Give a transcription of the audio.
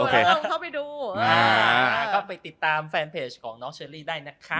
ก็ไปติดตามแฟนเพจของน้องเชลลี่ได้นะครับ